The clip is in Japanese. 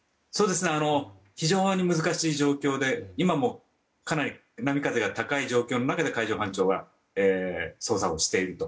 非常に難しい状況で今もかなり波風が高い状況の中で海上保安庁は捜索をしていると。